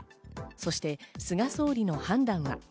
そして菅総理の判断は？